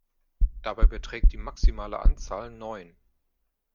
Dabei beträgt die maximale Anzahl neun.